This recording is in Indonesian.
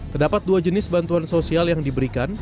terdapat dua jenis bantuan sosial yang diberikan